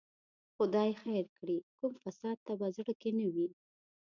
خدای خیر کړي، کوم فساد ته په زړه کې نه وي.